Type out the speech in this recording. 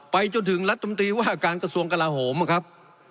ไปจนถึงรัฐมนตรีว่าการกระทรวงกลาโหมนะครับ